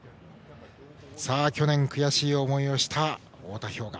去年悔しい思いをした太田彪雅。